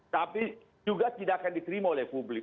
tapi juga tidak akan diterima oleh publik